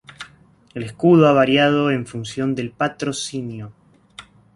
El escudo ha variado en función del patrocinio.